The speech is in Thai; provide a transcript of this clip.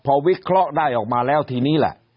พอวิเคราะห์ได้ออกมาแล้วทีนี้แหละ